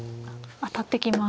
当たってきます。